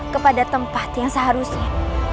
kepada tempat yang seharusnya